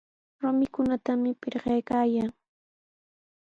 Rumikunatami pirqaykaayan.